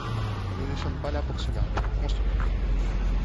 Nous ne sommes pas là pour cela, mais pour construire.